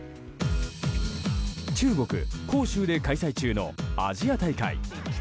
中国・杭州で開催中のアジア大会。